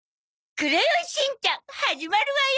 『クレヨンしんちゃん』始まるわよ。